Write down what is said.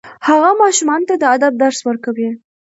هغه ماشومانو ته د ادب درس ورکوي.